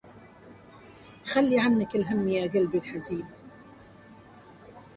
خل عنك الهم يا قلب الحزين